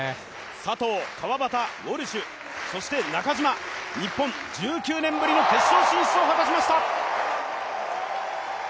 佐藤、川端、ウォルシュ、中島日本、１９年ぶりの決勝進出を果たしました。